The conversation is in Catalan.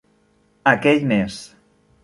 Aquell mes.